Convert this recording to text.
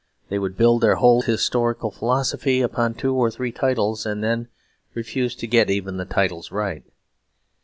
They would build their whole historical philosophy upon two or three titles, and then refuse to get even the titles right.